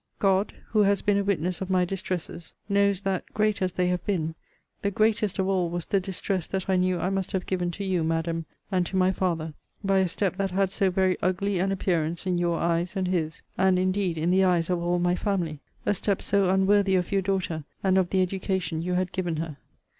God, who has been a witness of my distresses, knows that, great as they have been, the greatest of all was the distress that I knew I must have given to you, Madam, and to my father, by a step that had so very ugly an appearance in your eyes and his; and indeed in the eyes of all my family; a step so unworthy of your daughter, and of the education you had given her.